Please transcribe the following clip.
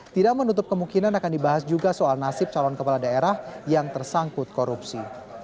tidak menutup kemungkinan akan dibahas juga soal nasib calon kepala daerah yang tersangkut korupsi